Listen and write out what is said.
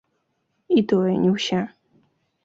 І тое, не ўся.